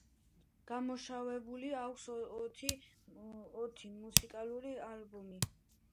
გამოშვებული აქვს ოთი მუსიკალური ალბომი.